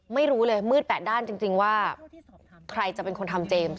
ไม่รู้เลยมืดแปดด้านจริงว่าใครจะเป็นคนทำเจมส์